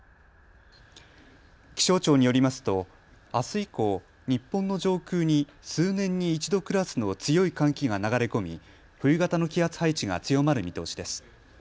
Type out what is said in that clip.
気象庁によりますとあす以降、日本の上空に数年に一度クラスの強い寒気が流れ込み冬型の気圧配置が強まる見通しです。